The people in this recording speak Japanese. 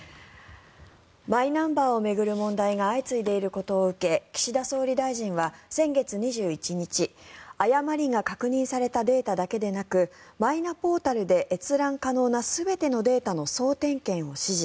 マイナンバーを巡る問題が相次いでいることを受け岸田総理大臣は先月２１日誤りが確認されたデータだけでなくマイナポータルで閲覧可能な全てのデータの総点検を指示。